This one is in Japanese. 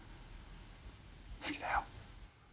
好きだよ。